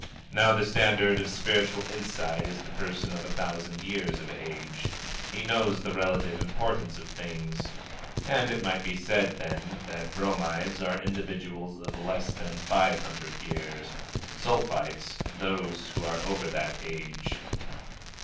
Now the standard of spiritual insight is the person of a thousand years of age. He knows the relative Importance of Things. And it might be said, then, that Bromides are individuals of less than five hundred years; Sulphites, those who are over that age.